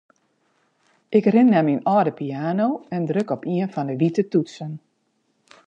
Ik rin nei myn âlde piano en druk op ien fan 'e wite toetsen.